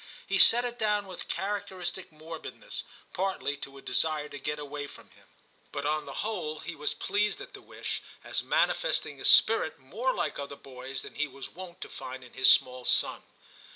He set it down with characteristic morbidness partly to a desire to get away from him ; but on the whole he was pleased at the wish, as manifesting a spirit more like other boys than he was wont to find in his small son.